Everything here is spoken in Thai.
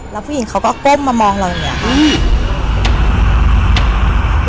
แล้วผู้หญิงเขาก็ก้มมามองเราอย่างนี้